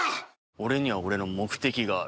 「俺には俺の目的がある」